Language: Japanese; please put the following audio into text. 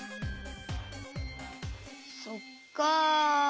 そっか。